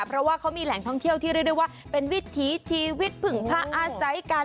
เพราะว่าเขามีแหล่งท่องเที่ยวที่เรียกได้ว่าเป็นวิถีชีวิตผึ่งผ้าอาศัยกัน